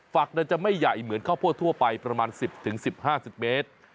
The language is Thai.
ฝักจะไม่ใหญ่เหมือนข้าวโพดทั่วไปประมาณ๑๐๑๐๕๐เมตร